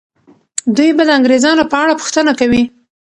دوی به د انګریزانو په اړه پوښتنه کوي.